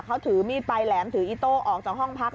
เขาถือมีดปลายแหลมถืออิโต้ออกจากห้องพัก